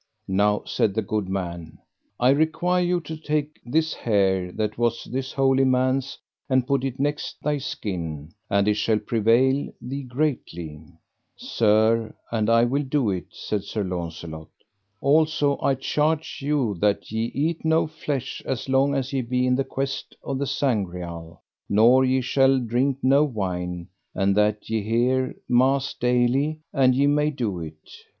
Now, said the good man, I require you take this hair that was this holy man's and put it next thy skin, and it shall prevail thee greatly. Sir, and I will do it, said Sir Launcelot. Also I charge you that ye eat no flesh as long as ye be in the quest of the Sangreal, nor ye shall drink no wine, and that ye hear mass daily an ye may do it.